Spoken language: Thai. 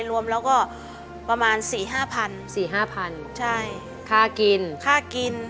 รวมแล้วก็ประมาณสี่ห้าพันสี่ห้าพันใช่ค่ากินค่ากิน